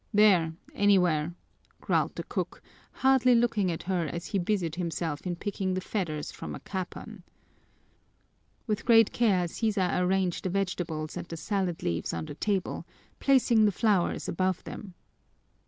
"There, anywhere!" growled the cook, hardly looking at her as he busied himself in picking the feathers from a capon. With great care Sisa arranged the vegetables and the salad leaves on the table, placing the flowers above them.